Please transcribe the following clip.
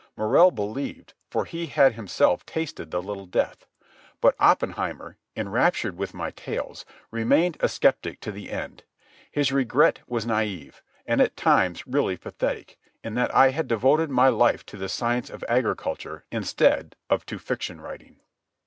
Morrell believed, for he had himself tasted the little death. But Oppenheimer, enraptured with my tales, remained a sceptic to the end. His regret was naïve, and at times really pathetic, in that I had devoted my life to the science of agriculture instead of to fiction writing.